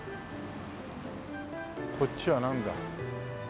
こっちはなんだ？